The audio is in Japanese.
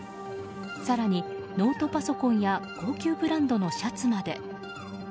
更にノートパソコンや高級ブランドのシャツまで。